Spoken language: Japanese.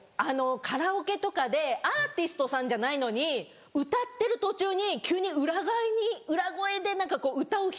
カラオケとかでアーティストさんじゃないのに歌ってる途中に急に裏返裏声で歌う人。